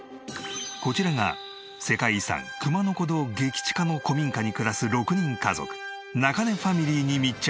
こちらが世界遺産熊野古道激チカの古民家に暮らす６人家族中根ファミリーに密着。